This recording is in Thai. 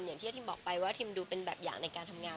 อย่างที่อาทิมบอกไปว่าทิมดูเป็นแบบอย่างในการทำงาน